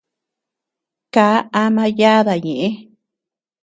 Kaa ama yáda ñëʼe.